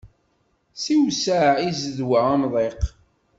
Siwseɛ i zzedwa amḍiq.